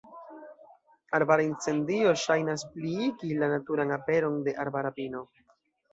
Arbara incendio ŝajnas pliigi la naturan aperon de arbara pino.